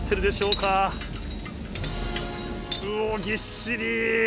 うおー、ぎっしり。